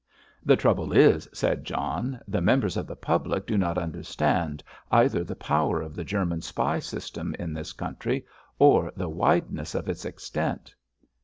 "The trouble is," said John, "the members of the public do not understand either the power of the German spy system in this country or the wideness of its extent."